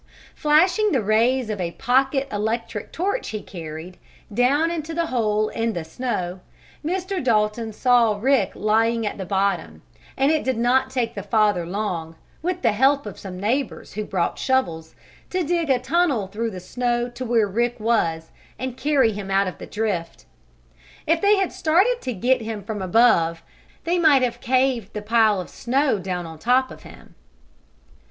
Flashing the rays of a pocket electric torch he carried, down into the hole in the snow, Mr. Dalton saw Rick lying at the bottom, and it did not take the father long, with the help of some neighbors who brought shovels, to dig a tunnel through the snow to where Rick was and carry him out of the drift. If they had started to get him from above they might have caved the pile of snow down on top of him.